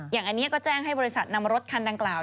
อย่างนี้ก็แจ้งให้บริษัทนำรถคันดังกล่าว